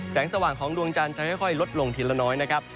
สว่างของดวงจันทร์จะค่อยลดลงทีละน้อยนะครับ